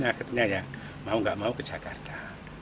akhirnya ya mau nggak mau ke jakarta